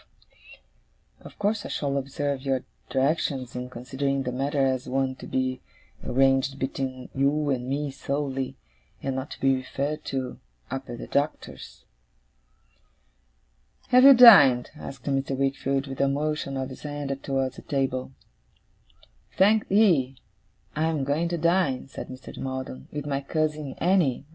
Of course I shall observe your directions, in considering the matter as one to be arranged between you and me solely, and not to be referred to, up at the Doctor's.' 'Have you dined?' asked Mr. Wickfield, with a motion of his hand towards the table. 'Thank'ee. I am going to dine,' said Mr. Maldon, 'with my cousin Annie.